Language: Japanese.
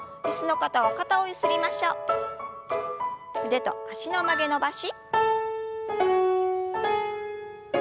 腕と脚の曲げ伸ばし。